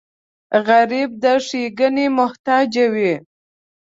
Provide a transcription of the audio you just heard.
غریب د ښېګڼې محتاج وي